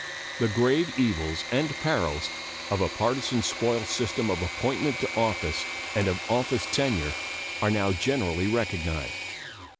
The grave evils and perils of a partisan spoils system of appointment to office and of office tenure are now generally recognized.